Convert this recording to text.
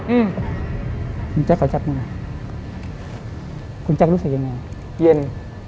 อืมคุณแจ๊กเขาจับเมื่อคุณแจ๊กรู้สึกยังไงเย็น